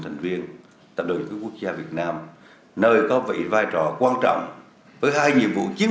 thành viên tập đoàn điện lực quốc gia việt nam nơi có vị vai trò quan trọng với hai nhiệm vụ chiến